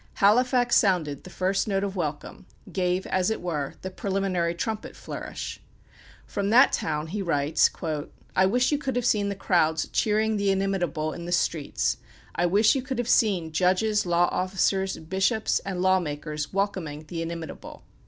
Halifax sounded the first note of welcome, gave, as it were, the preliminary trumpet flourish. From that town he writes: "I wish you could have seen the crowds cheering the inimitable in the streets. I wish you could have seen judges, law officers, bishops, and law makers welcoming the inimitable.